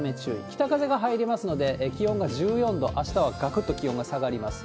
北風が入りますので、気温が１４度、あしたはがくっと気温が下がります。